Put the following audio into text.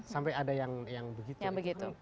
sampai ada yang begitu